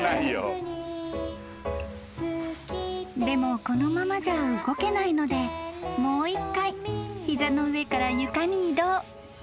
［でもこのままじゃ動けないのでもう１回膝の上から床に移動。